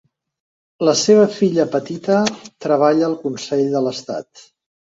La seva filla petita treballa al Consell de l'Estat.